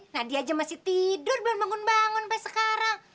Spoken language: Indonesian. nah dia aja masih tidur belum bangun bangun sampai sekarang